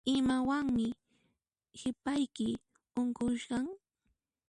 Imawanmi ipayki unqushan?